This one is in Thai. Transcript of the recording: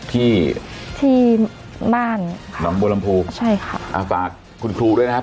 ที่ที่บ้านน้องบูรรมภูใช่ค่ะฝากคุณครูด้วยนะครับ